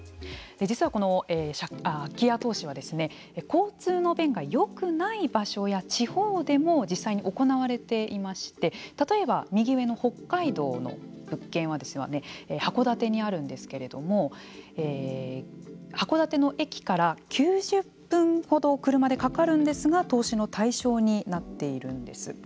実はこの空き家投資は交通の便がよくない場所や地方でも実際に行われていまして例えば右上の北海道の物件は函館にあるんですけれども函館の駅から９０分ほど車でかかるんですが投資の対象になっているんです。